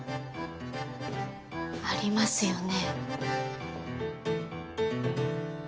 ありますよね。